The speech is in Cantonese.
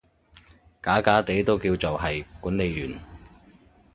假假地都叫做係管理員